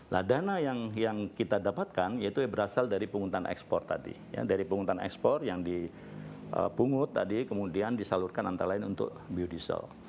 nah dana yang kita dapatkan yaitu berasal dari pungutan ekspor tadi ya dari penghutang ekspor yang dipungut tadi kemudian disalurkan antara lain untuk biodiesel